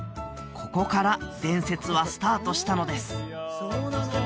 ここから伝説はスタートしたのです